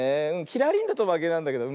キラリンだとまけなんだけど。